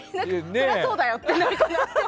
そりゃそうだよってなるかな。